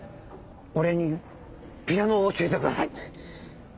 俺にピアノを教えてください！